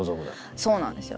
そうなんですよ。